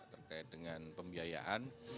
terkait dengan pembiayaan